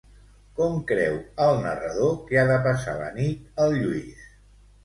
Com creu el narrador que ha de passar la nit el Lluís?